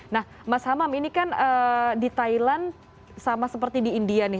nah mas hamam ini kan di thailand sama seperti di india nih